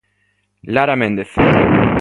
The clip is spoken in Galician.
Lara Méndez.